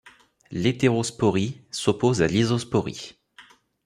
L'hétérosporie s'oppose à l'isosporie.